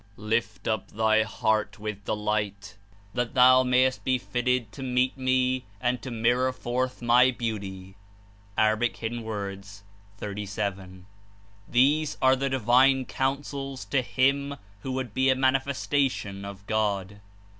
Lift up thy heart with delight, that thou mayest be fitted to meet Me and to mirror forth my Beauty." (A. 37.) These are the divine counsels to him who would be a manifestation of God.